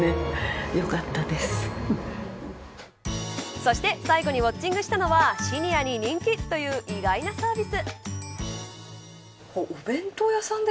そして最後にウオッチングしたのはシニアに人気という意外なサービス。